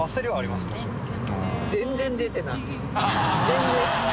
全然。